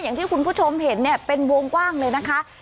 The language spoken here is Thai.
อย่างที่คุณผู้ชมเห็นเนี่ยเป็นวงกว้างเลยนะคะ